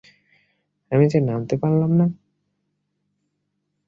আমি যে নামতে পারলাম না?